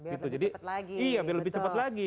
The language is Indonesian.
biar lebih cepat lagi